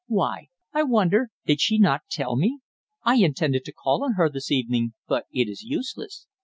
Why, I wonder, did she not tell me. I intended to call on her this evening, but it is useless.